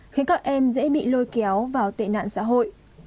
khiến các em dễ bị lôi kéo vào tệ nạn xã hội